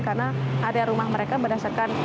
karena area rumah mereka berdasarkan